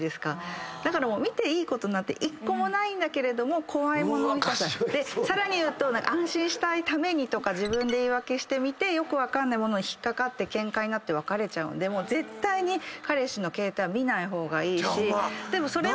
だから見ていいことなんて１個もないんだけど怖いもの見たさでさらに言うと安心したいためにとか自分で言い訳して見てよく分かんないのに引っ掛かってケンカになって別れちゃうので絶対に彼氏の携帯は見ない方がいいし。